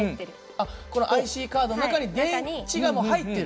あっこのＩＣカードの中に電池がもう入ってる？